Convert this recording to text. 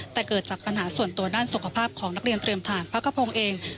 แต่เกิดจากปัญหาส่วนตัวด้านสุขภาพของนักเรียนเตรียมฐานพระกระพงศ์เอง